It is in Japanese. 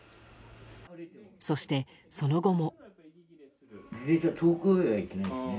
そして、その後も。